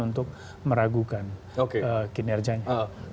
untuk meragukan kinerjanya